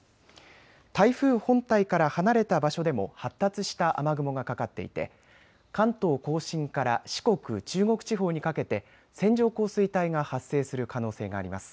台風本体から離れた場所でも発達した雨雲がかかっていて関東甲信から四国、中国地方にかけて線状降水帯が発生する可能性があります。